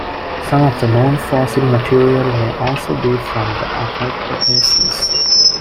Some of the known fossil material may also be from the Upper Cretaceous.